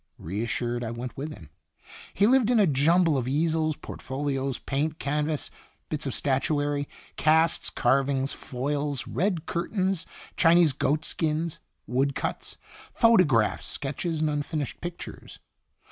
Reassured, I went with him. He lived in a jumble of easels, portfolios, paint, canvas, bits of statuary, casts, carvings, foils, red curtains, Chinese goatskins, woodcuts, photographs, sketches, and unfinished pictures.